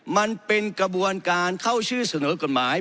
มันเป็นกระบวนการเข้าชื่อเสนอกฎหมาย